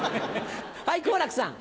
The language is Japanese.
はい好楽さん。